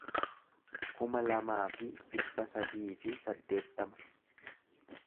kuma lamaa fi dhibba sadii fi saddeettama